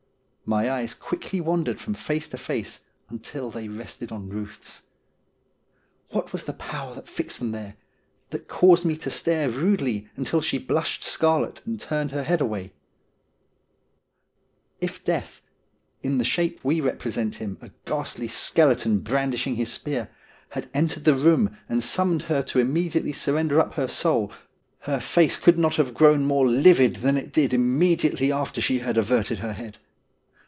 My eyes quickly wandered from face to face until they rested on Kuth's. What was the power that fixed them there — that caused me to stare rudely until she blushed scarlet and turned her head away ? If Death — in the shape we represent him, a ghastly skeleton brandishing his spear — had entered the room and summoned her to immediately surrender up her soul, her face could not have ■ grown more livid than it did immediately after she had averted her head.